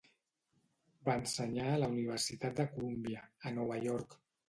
Va ensenyar a la Universitat de Columbia, a Nova York.